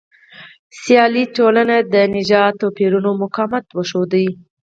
سیالي ټولنه د نژادي توپیرونو مقاومت وښود.